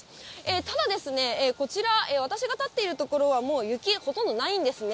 ただ、こちら、私が立っている所は、もう雪、ほとんどないんですね。